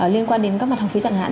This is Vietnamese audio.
liên quan đến các mặt học phí chẳng hạn